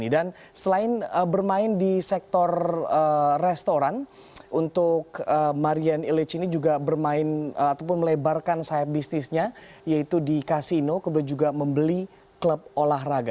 dan selain bermain di sektor restoran untuk marian illich ini juga bermain ataupun melebarkan sahab bisnisnya yaitu di kasino kemudian juga membeli klub olahraga